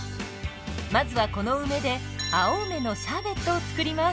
まずはこの梅で青梅のシャーベットを作ります。